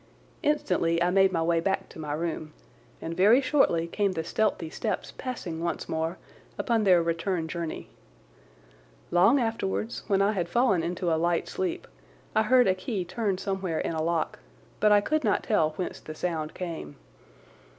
Instantly I made my way back to my room, and very shortly came the stealthy steps passing once more upon their return journey. Long afterwards when I had fallen into a light sleep I heard a key turn somewhere in a lock, but I could not tell whence the sound came.